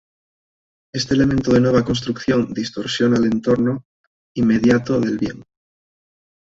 Este elemento de nueva construcción distorsiona el entorno inmediato del bien.